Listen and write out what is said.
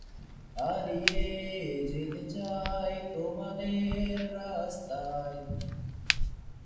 Nobel বিজয়ী পদার্থবিজ্ঞানী আবদুস সালামের একজন গুরু ছিলেন তিনি।